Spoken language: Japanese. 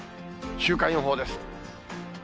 週間予報です。